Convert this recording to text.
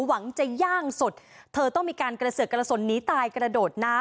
วางจะย่างสด